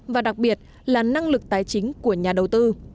và đặc biệt là năng lực tài chính của nhà đầu tư